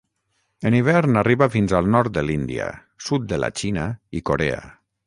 En hivern arriba fins al nord de l'Índia, sud de la Xina i Corea.